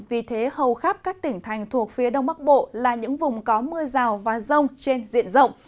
vì thế hầu khắp các tỉnh thành thuộc phía đông bắc bộ là những vùng có mưa rào và rông trên diện rộng